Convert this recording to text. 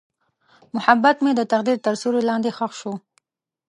محبت مې د تقدیر تر سیوري لاندې ښخ شو.